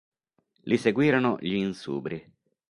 Li seguirono gli Insubri.